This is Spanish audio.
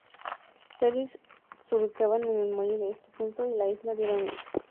Ferries surcaban el muelle en ese punto y la isla diariamente.